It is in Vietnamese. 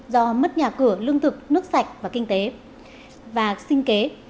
do mất nhà cửa lương thực nước sạch và kinh tế và sinh kế